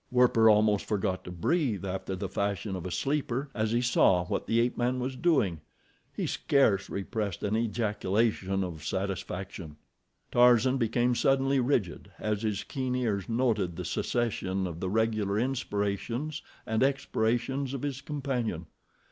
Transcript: Werper almost forgot to breathe after the fashion of a sleeper as he saw what the ape man was doing—he scarce repressed an ejaculation of satisfaction. Tarzan become suddenly rigid as his keen ears noted the cessation of the regular inspirations and expirations of his companion.